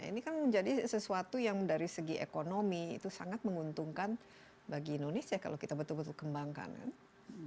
ini kan menjadi sesuatu yang dari segi ekonomi itu sangat menguntungkan bagi indonesia kalau kita betul betul kembangkan